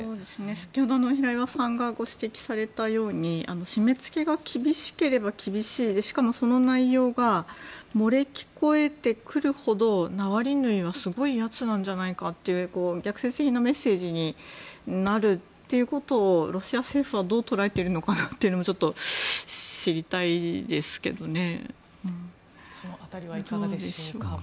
先ほど、平岩さんがご指摘されたように締め付けが厳しければ厳しいしかも、その内容が漏れ聞こえてくるほどナワリヌイはすごいやつなんじゃないかという逆説的なメッセージになるということをロシア政府はどう捉えているのかなというのも知りたいですけどね。